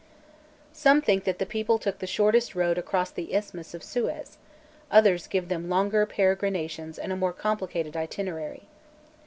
Some think that the people took the shortest road across the Isthmus of Suez, others give them longer peregrinations and a more complicated itinerary.